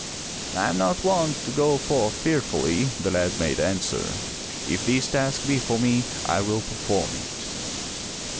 "I am not wont to go forth fearfully," the lad made answer. "If this task be for me, I will perform it."